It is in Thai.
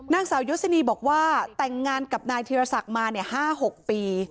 นางสาวยศนีบอกว่าแต่งงานกับนายธีรศักดิ์มา๕๖ปี